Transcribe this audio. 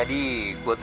dan kita harus berhenti